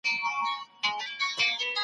ستاسو شخصیت به لکه لمر ځلیږي.